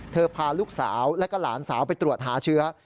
พาลูกสาวและก็หลานสาวไปตรวจหาเชื้อ